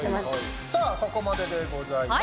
さあ、そこまででございます。